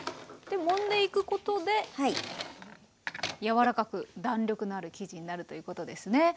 もんでいくことで柔らかく弾力のある生地になるということですね。